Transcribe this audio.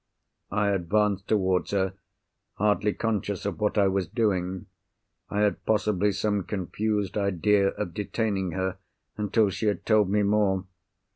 I advanced towards her, hardly conscious of what I was doing. I had possibly some confused idea of detaining her until she had told me more.